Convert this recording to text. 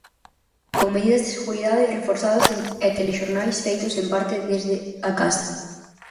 Con medidas de seguridade reforzadas e telexornais feitos en parte desde a casa.